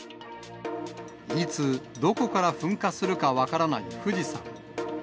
いつ、どこから噴火するか分からない富士山。